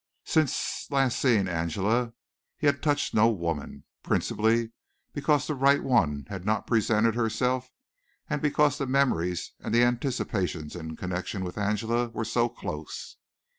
Since last seeing Angela he had touched no woman, principally because the right one had not presented herself and because the memories and the anticipations in connection with Angela were so close.